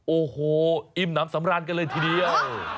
โอ้โหอิ่มน้ำสำราญกันเลยทีเดียว